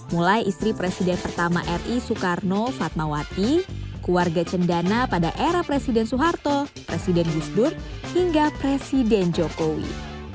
mulai istri presiden pertama ri soekarno fatmawati keluarga cendana pada era presiden soeharto presiden gusdur hingga presiden jokowi